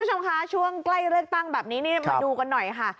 คุณผู้ชมคะช่วงใกล้เลือกตั้งแบบนี้นี่มาดูกันหน่อยค่ะ